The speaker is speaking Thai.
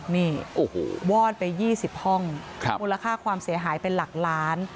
นี่วอดไป๒๐ห้องมูลค่าความเสียหายเป็นหลักล้าน